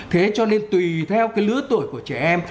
thế cho nên tùy theo cái lứa tuổi của trẻ em